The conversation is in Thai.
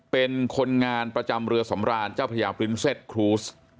เป็นคนงานประจำเรือสำราญเจ้าพระยาปริ้นเซ็ตครูส